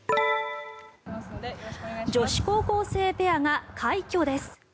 女子高校生ペアが快挙です。